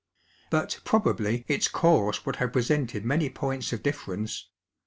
But probably its course would have presented many potuta of diSfereuec.